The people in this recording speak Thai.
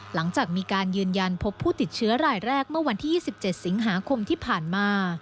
หลังจากมีการยืนยันพบผู้ติดเชื้อรายแรกเมื่อวันที่๒๗สิงหาคมที่ผ่านมา